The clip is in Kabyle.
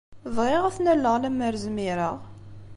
Bɣiɣ ad ten-alleɣ, lemmer zmireɣ.